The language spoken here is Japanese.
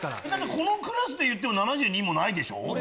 このクラスでいっても７２もないでしょ。